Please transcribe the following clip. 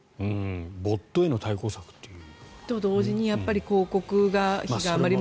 ボットへの対抗策という。